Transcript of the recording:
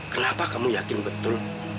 kenapa kamu yakin betul